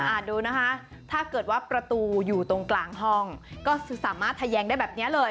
ดูนะคะถ้าเกิดว่าประตูอยู่ตรงกลางห้องก็สามารถทะแยงได้แบบนี้เลย